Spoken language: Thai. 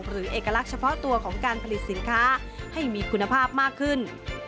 เอกลักษณ์เฉพาะตัวของการผลิตสินค้าให้มีคุณภาพมากขึ้น